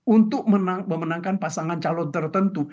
untuk memenangkan pasangan calon tertentu